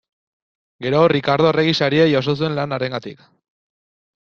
Gero Rikardo Arregi Saria jaso zuen lan harengatik.